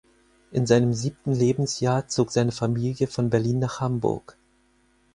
In seinem siebten Lebensjahr zog seine Familie von Berlin nach Hamburg.